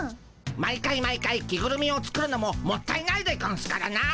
毎回毎回着ぐるみを作るのももったいないでゴンスからな。